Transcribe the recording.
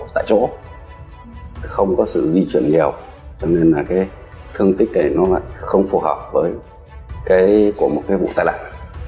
thương tích này không phù hợp với một vụ tai lạc